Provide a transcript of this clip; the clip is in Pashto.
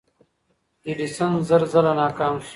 ایډیسن زر ځله ناکام شو.